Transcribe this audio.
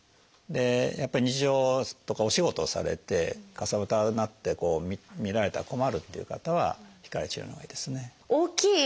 やっぱ日常とかお仕事をされてかさぶたになって見られたら困るっていう方は光治療のほうがいいですね。